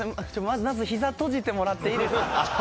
まずヒザ閉じてもらっていいですか？